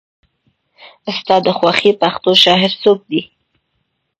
ستا د خوښې پښتو شاعر څوک دی؟